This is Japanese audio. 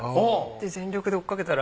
で全力で追いかけたら。